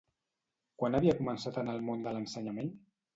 Quan havia començat en el món de l'ensenyament?